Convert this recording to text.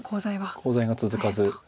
コウ材が続かず。